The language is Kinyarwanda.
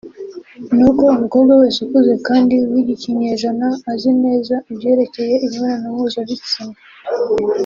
ni uko umukobwa wese ukuze kandi w’iki kinyejana azi neza ibyerekeye imibonano mpuza-bitsina